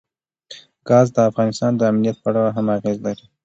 ګاز د افغانستان د امنیت په اړه هم اغېز لري.